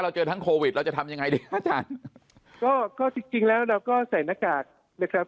เจอทั้งโควิดเราจะทำยังไงดีอาจารย์ก็ก็จริงจริงแล้วเราก็ใส่หน้ากากนะครับ